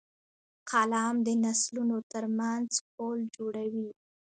قلم د نسلونو ترمنځ پُل جوړوي